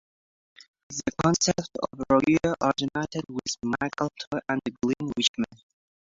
The concept of "Rogue" originated with Michael Toy and Glenn Wichman.